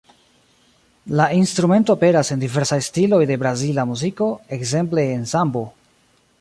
La instrumento aperas en diversaj stiloj de brazila muziko, ekzemple en sambo.